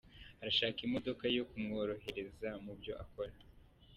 Arashaka imodoka yo kumworohereza mu byo akora.